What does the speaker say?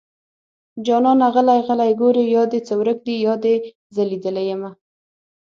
جانانه غلی غلی ګورې يا دې څه ورک دي يا دې زه ليدلې يمه